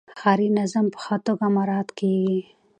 ښاري نظم په ښه توګه مراعات کیږي.